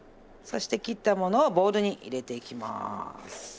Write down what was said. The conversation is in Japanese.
そして切ったものをボウルに入れていきます。